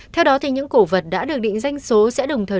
theo đó những cổ vật đã được định danh số sẽ đồng thời